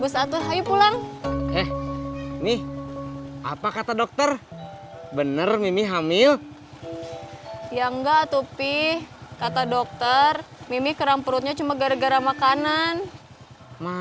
sampai jumpa di video selanjutnya